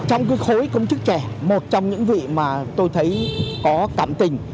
trong khối công chức trẻ một trong những vị mà tôi thấy có cảm tình